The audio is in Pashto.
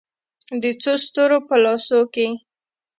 د څو ستورو په لاسو کې